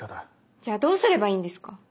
じゃあどうすればいいんですか？